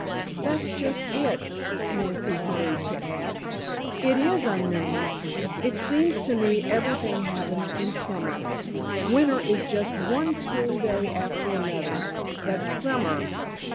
"That's just it," Nancy hurried to add. "It is unknown. It seems to me everything happens in summer. Winter is just one school day after another, but summer!